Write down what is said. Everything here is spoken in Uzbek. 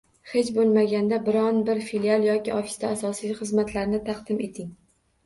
Hech bo'lmaganda biron bir filial yoki ofisda asosiy xizmatlarni taqdim eting